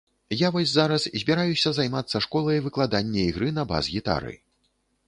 Я вось зараз збіраюся займацца школай выкладання ігры на бас-гітары.